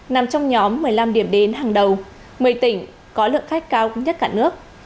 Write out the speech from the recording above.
nằm trong nhóm một mươi năm điểm đến hàng đầu một mươi tỉnh có lượng khách cao nhất cả nước